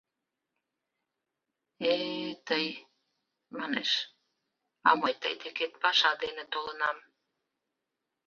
— Э-э-э, тый, — манеш... — а мый тый декет паша дене толынам...